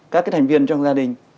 các cái thành viên trong gia đình